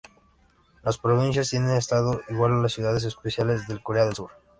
Las provincias tienen estado igual a las ciudades especiales de Corea del Sur.